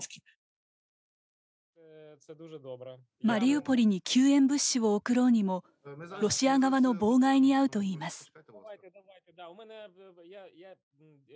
マリウポリに救援物資を送ろうにもロシア側の妨害にあうといいます。